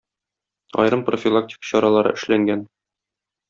Аерым профилактика чаралары эшләнгән.